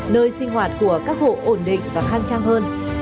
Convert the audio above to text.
nơi sinh hoạt của các hộ ổn định và khăng trang hơn